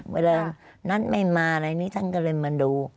เวลานัดไม่มาอะไรนี้ท่านก็เลยมาดู